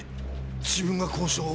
自分が交渉を？